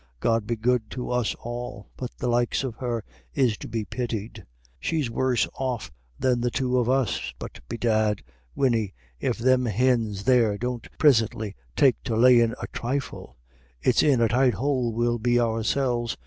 God be good to us all, but the likes of her is to be pitied. She's worse off than the two of us. But bedad, Winnie, if thim hins there don't prisintly take to layin' a thrifle, it's in a tight houle we'll be ourselves.